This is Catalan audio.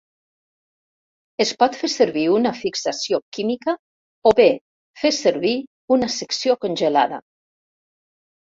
Es pot fer servir una fixació química, o bé fer servir una secció congelada.